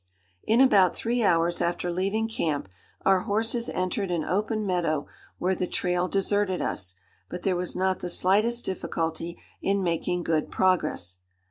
In about three hours after leaving camp, our horses entered an open meadow where the trail deserted us, but there was not the slightest difficulty in making good progress.